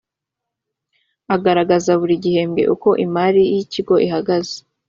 agaragaza buri gihembwe uko imari y’ikigo ihagaze